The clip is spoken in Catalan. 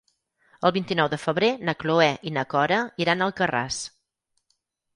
El vint-i-nou de febrer na Cloè i na Cora iran a Alcarràs.